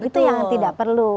itu yang tidak perlu